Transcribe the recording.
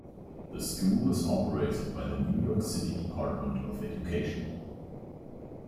The school is operated by the New York City Department of Education.